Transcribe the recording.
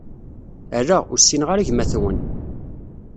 Ala, ur ssineɣ ara gma-t-wen.